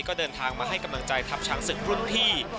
ก็เดินทางมาให้กำลังใจทัพช้างศึกรุ่นพี่